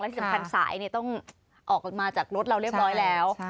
ที่สำคัญสายต้องออกมาจากรถเราเรียบร้อยแล้ว